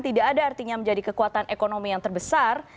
tidak ada artinya menjadi kekuatan ekonomi yang terbesar